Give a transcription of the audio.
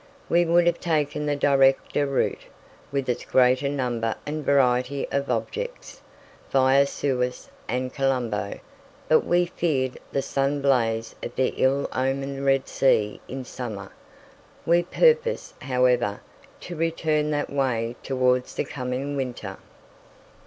We would have taken the directer route, with its greater number and variety of objects, via Suez and Colombo, but we feared the sun blaze of the ill omened Red Sea in summer. We purpose, however, to return that way towards the coming winter.